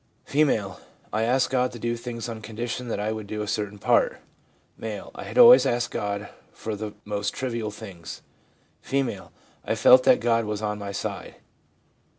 F. l I asked God to do things on condition that I would do a certain part.' M. ' I always asked God for the most trivial things.' F. ' I felt that God was on my side.'